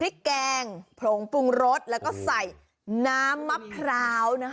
พริกแกงผงปรุงรสแล้วก็ใส่น้ำมะพร้าวนะคะ